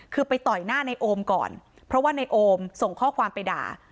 คือไปต่อยหน้าในโอมก่อนเพราะว่าในโอมส่งข้อความไปด่า